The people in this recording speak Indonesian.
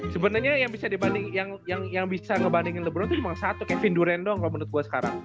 sebenernya yang bisa dibandingin yang yang yang bisa ngebandingin lebron tuh cuma satu kevin duren doang kalo menurut gua sekarang